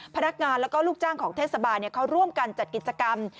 พนักงานแล้วก็ลูกจ้างของเทศบาลเขาร่วมกันจัดกิจกรรม